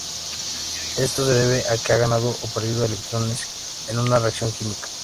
Esto se debe a que ha ganado o perdido electrones en una reacción química.